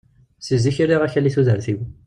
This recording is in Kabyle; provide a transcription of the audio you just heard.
Seg zik i rriɣ akal i tudert-iw.